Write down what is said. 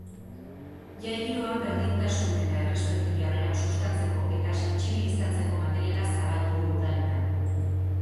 Jai giroan berdintasun eta errespetu jarrerak sustatzeko eta sentsibilizatzeko materiala zabaldu du udaletan.